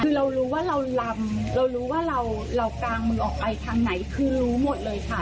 คือเรารู้ว่าเราลำเรารู้ว่าเรากางมึงออกไปทางไหนคือรู้หมดเลยค่ะ